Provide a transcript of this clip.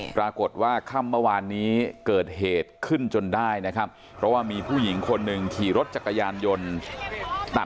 ปรากฏว่าค่ำเมื่อวานนี้เกิดเหตุขึ้นจนได้นะครับเพราะว่ามีผู้หญิงคนหนึ่งขี่รถจักรยานยนต์ตัด